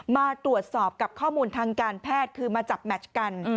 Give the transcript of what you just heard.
มาตรวจสอบกับข้อมูลทางการแพทย์คือมาจับแมชกัน